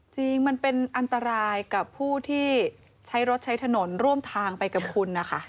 จริงมันเป็นอันตรายกับผู้ที่ใช้รถใช้ถนนร่วมทางไปกับคุณนะคะ